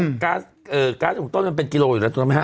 เพราะเราเอ่อการ์ดของต้นมันเป็นกิโลอยู่แล้วถูกไหมฮะ